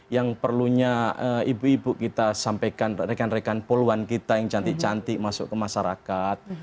yang perlunya ibu ibu kita sampaikan rekan rekan poluan kita yang cantik cantik masuk ke masyarakat